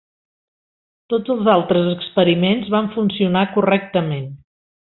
Tots els altres experiments van funcionar correctament.